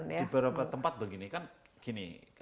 di beberapa tempat begini kan gini